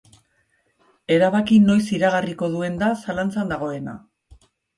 Erabaki noiz iragarriko duen da zalantzan dagoena.